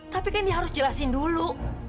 tapi kan dia harus jelasin dulu